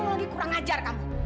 ngomong lagi kurang ajar kamu